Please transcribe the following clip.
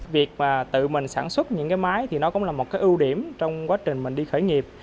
việc mà tự mình sản xuất những cái máy thì nó cũng là một cái ưu điểm trong quá trình mình đi khởi nghiệp